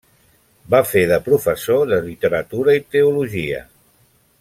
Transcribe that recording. Va fer de professor de literatura i teologia.